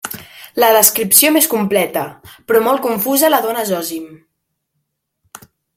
La descripció més completa, però molt confusa la dóna Zòsim.